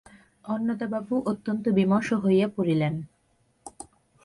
অন্নদাবাবু অত্যন্ত বিমর্ষ হইয়া পড়িলেন।